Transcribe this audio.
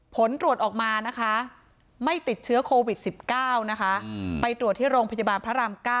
ผลตรวจออกมานะคะไม่ติดเชื้อโควิด๑๙นะคะไปตรวจที่โรงพยาบาลพระราม๙